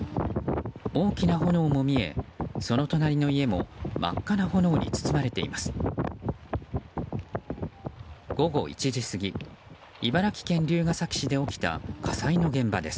大きな炎も見え、その隣の家も真っ赤な炎に包まれています。